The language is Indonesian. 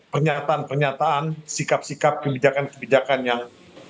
pernyataan pernyataan sikap sikap kebijakan kebijakan yang